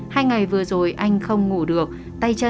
hai ngày vừa rồi anh không ngủ được